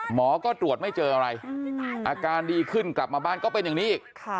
หมอก็ตรวจไม่เจออะไรอาการดีขึ้นกลับมาบ้านก็เป็นอย่างนี้อีก